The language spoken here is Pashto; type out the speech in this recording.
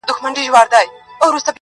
• د هغو کسانو په زړونو -